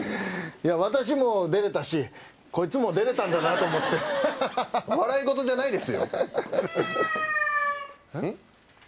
いや私も出れたしこいつも出れたんだなと思って笑いごとじゃないですよ